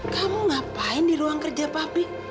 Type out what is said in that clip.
kamu ngapain di ruang kerja papi